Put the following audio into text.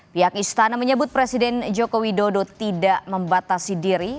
pihak istana menyebut presiden joko widodo tidak membatasi diri